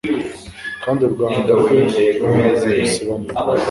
kandi u Rwanda rwe rumaze gusibama,